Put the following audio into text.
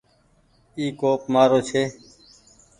اي ڪوپ مآرو ڇي۔